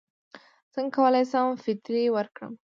څنګه کولی شم فطرې ورکړم